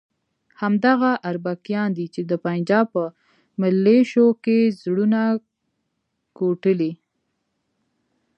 همدغه اربکیان دي چې د پنجاب په ملیشو کې زړونه کوټلي.